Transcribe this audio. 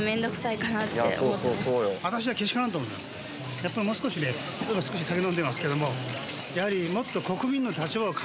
「やっぱりもう少しね少し酒飲んでますけども」